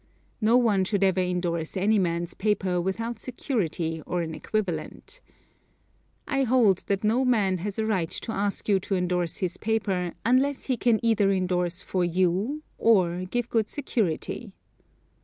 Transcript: No one should ever endorse any man's paper without security or an equivalent. I hold that no man has a right to ask you to endorse his paper unless he can either endorse for you or give good security.